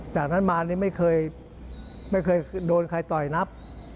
จากนั้นมานี่ไม่เคยโดนใครต่อยนับ